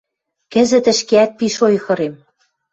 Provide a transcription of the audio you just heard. Кӹзӹт ӹшкеӓт пиш ойхырем.